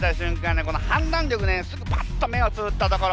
ねこの判断力ねすぐパッと目をつぶったところ。